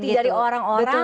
curi curi dari orang orang